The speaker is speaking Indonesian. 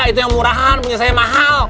itu yang murahan punya saya mahal